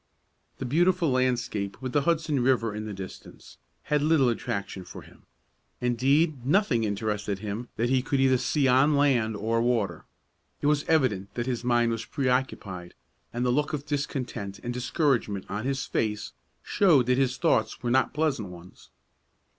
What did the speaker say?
The beautiful landscape, with the Hudson River in the distance, had little attraction for him. Indeed, nothing interested him that he could see either on land or water. It was evident that his mind was preoccupied, and the look of discontent and discouragement on his face showed that his thoughts were not pleasant ones.